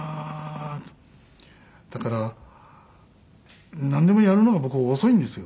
だからなんでもやるのが僕遅いんですよ。